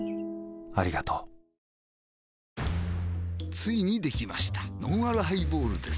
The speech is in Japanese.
ついにできましたのんあるハイボールです